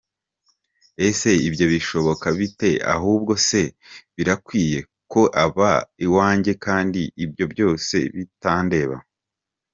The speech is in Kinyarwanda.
Ese ibyo bishoboka bite? Ahubwo se birakwiye ko aba iwanjye kandi ibyo byose bitandeba?”.